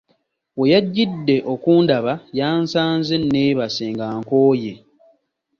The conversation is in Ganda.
Weyajjidde okundaba yansanze nneebase nga nkooye.